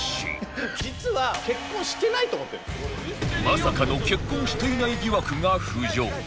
まさかの結婚していない疑惑が浮上